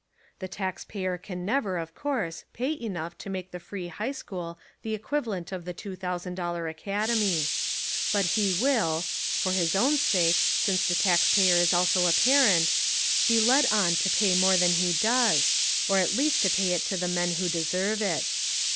The tax payer can never, of course, pay enough to make the free high school the equivalent of the two thousand dollar acad emy. But he will (for his own sake, since the tax payer is also a parent) be led on to pay more than he does, or at least to pay it to the men who deserve it.